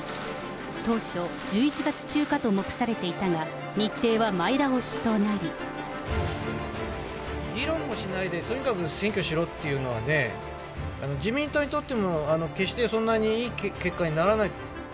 当初、１１月中かと目されていたが、議論もしないで、とにかく選挙しろっていうのはね、自民党にとっても、決してそんなにいい結果にならない。